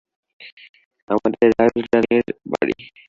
আমাদের রাধারানীর বাড়ি।